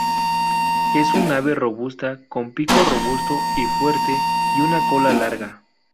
Es un ave robusta, con un pico robusto y fuerte y una cola larga.